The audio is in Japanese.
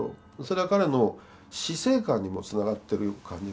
それは彼の死生観にもつながってる感じがします。